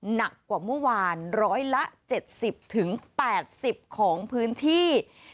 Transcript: หนักกว่าเมื่อวาน๑๗๐๘๐ของพื้นที่